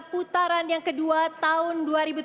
putaran yang kedua tahun dua ribu tujuh belas